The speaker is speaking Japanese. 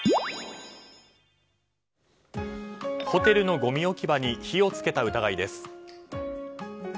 ホテルのごみ置き場に火を付けた疑いです。